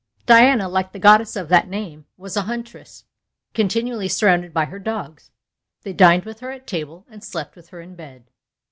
Diana, like the goddess of that name, was a huntress, continually surrounded by her dogs: they dined with her at table, and slept with her in bed.